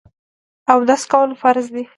اودس کول فرض دي.